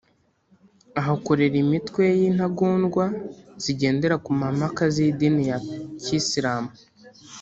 ahakorera imitwe y’intagondwa zigendera ku mahame akaze y’idini ya kisilamu